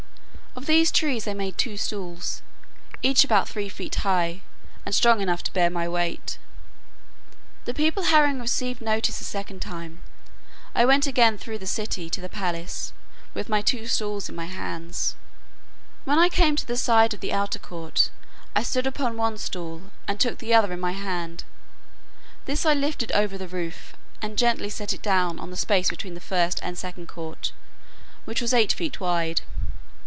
Of these trees I made two stools, each about three feet high, and strong enough to bear my weight. The people having received notice a second time, I went again through the city to the palace with my two stools in my hands. When I came to the side of the outer court, I stood upon one stool, and took the other in my hand; this I lifted over the roof, and gently set it down on the space between the first and second court, which was eight feet wide.